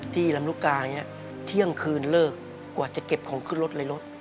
ที่ลำพลุกาเที่ยงคืนเลิกกว่าจะเก็บของขึ้นรถในรถ